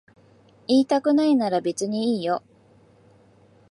言いたくないなら別にいいよ。